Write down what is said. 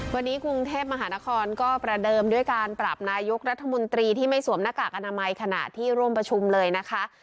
วันนี้กรุงเทพมหานครก็ประเดิมด้วยการปรับนายกรัฐมนตรีที่ไม่สวมหน้ากากอนามัยขณะที่ร่วมประชุมเลยนะคะ